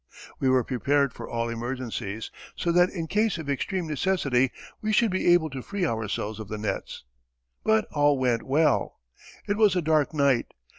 We were prepared for all emergencies, so that in case of extreme necessity we should be able to free ourselves of the nets. But all went well. It was a dark night.